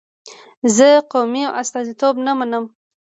زه قومي استازیتوب نه منم.